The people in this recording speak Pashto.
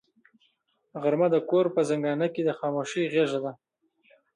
غرمه د کور په زنګانه کې د خاموشۍ غېږه ده